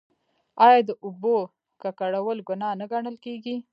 آیا د اوبو ککړول ګناه نه ګڼل کیږي؟